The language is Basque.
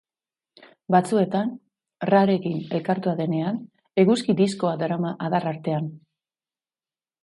Batzuetan, Rarekin elkartua denean, eguzki-diskoa darama adar artean.